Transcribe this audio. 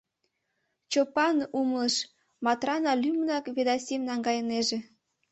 Чопан умылыш, Матрана лӱмынак Ведасим наҥгайынеже.